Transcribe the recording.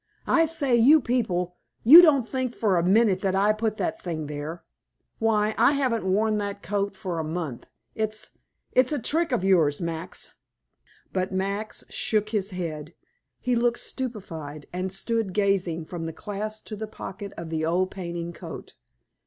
"I say, you people, you don't think for a minute that I put that thing there? Why, I haven't worn that coat for a month. It's it's a trick of yours, Max." But Max shook his head; he looked stupefied, and stood gazing from the clasp to the pocket of the old painting coat.